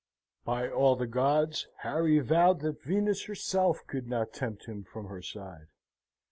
By all the gods, Harry vowed that Venus herself could not tempt him from her side.